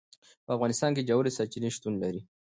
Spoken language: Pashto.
په افغانستان کې ژورې سرچینې شتون لري.